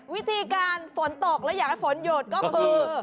วิธีการฝนตกและอยากให้ฝนหยุดก็คือ